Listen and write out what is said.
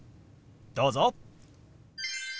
どうぞ。